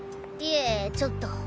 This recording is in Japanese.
いえちょっと。